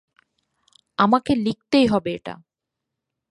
আমাকে লিখতেই হবে এটা।